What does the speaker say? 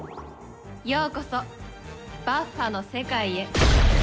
ようこそバッファの世界へ